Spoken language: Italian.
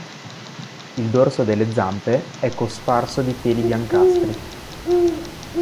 Il dorso delle zampe è cosparso di peli biancastri.